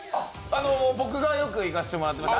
僕がよくいかせてもらってました。